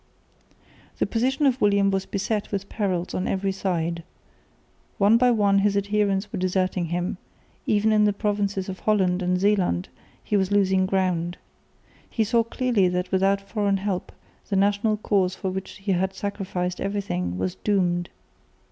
The position of William was beset with perils on every side. One by one his adherents were deserting him; even in the provinces of Holland and Zeeland he was losing ground. He saw clearly that without foreign help the national cause for which he had sacrificed everything was doomed.